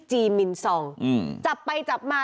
ีมินซองจับไปจับมา